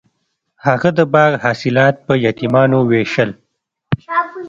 هغه د باغ حاصلات په یتیمانو ویشل.